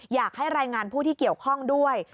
อยากให้รายงานผู้ที่เกี่ยวข้องด้วย